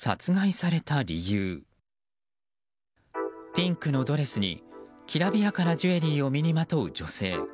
ピンクのドレスにきらびやかなジュエリーを身にまとう女性。